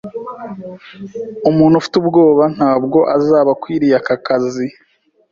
Umuntu ufite ubwoba ntabwo azaba akwiriye aka kazi